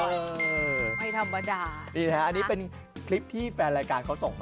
เออไม่ธรรมดานะครับนะครับ